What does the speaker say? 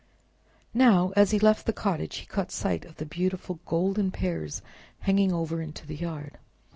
Now, as he left the cottage, he caught sight of the beautiful golden pears hanging over into the yard.